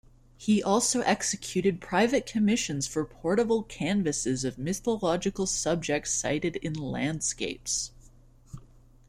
He also executed private commissions for portable canvases of mythological subjects sited in landscapes.